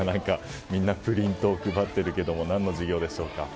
みんなプリントを配っているけど何の授業でしょうか。